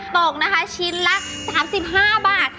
ตกนะคะชิ้นละ๓๕บาท